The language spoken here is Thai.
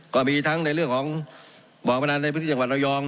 ก็มีทั้งในเรื่องของบอกมานานในพฤติจังหวัดระยอง